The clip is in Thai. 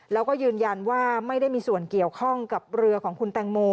แล้วก็ยืนยันว่าไม่ได้มีส่วนเกี่ยวข้องกับเรือของคุณแตงโม